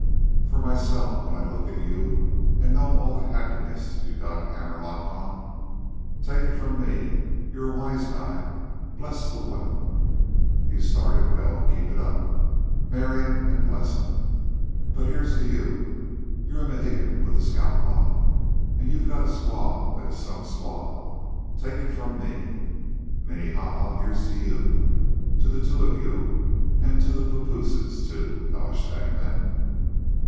"For myself when I look at you an' know all the happiness you got a hammerlock on. Take it from me, you're a wise guy, bless the women. You've started well. Keep it up. Marry 'em all, bless 'em. Bill, here's to you. You're a Mohegan with a scalplock. An' you got a squaw that is some squaw, take it from me. Minnehaha, here's to you to the two of you an' to the papooses, too, gosh dang them!"